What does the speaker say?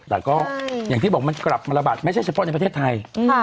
แต่ก็อย่างที่บอกมันกลับมาระบาดไม่ใช่เฉพาะในประเทศไทย